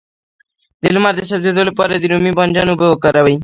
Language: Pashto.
د لمر د سوځیدو لپاره د رومي بانجان اوبه وکاروئ